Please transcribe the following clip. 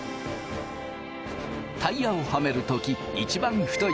タイヤをはめる時一番太い